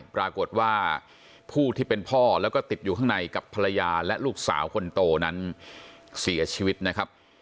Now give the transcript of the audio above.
ปรากฏว่าผู้ที่เป็นพ่อแล้วก็ติดอยู่ข้างในกับภรรยาและลูกสาวคนโตนั้นเสียชีวิตนะครับ